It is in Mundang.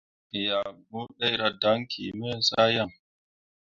Me ah mu ɗerah daŋki me zah yan.